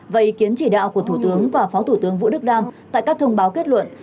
và ý kiến chỉ đạo của thủ tướng và phó thủ tướng vũ đức đam tại các thông báo kết luận